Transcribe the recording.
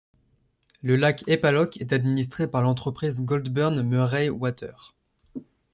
Le lac Eppalock est administré par l'entreprise Goldburn-Murray Water.